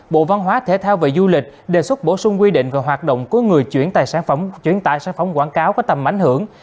bộ văn hóa thể thao và du lịch đề xuất bổ sung quy định về hoạt động của người chuyển tài sản phẩm quảng cáo có tầm ảnh hưởng